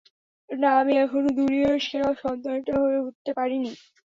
না, আমি এখনও দুনিয়ার সেরা সন্তানটা হয়ে উঠতে পারিনি!